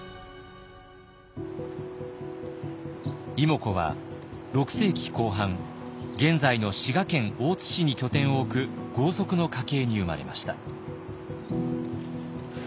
妹子は６世紀後半現在の滋賀県大津市に拠点を置く豪族の家系に生まれました。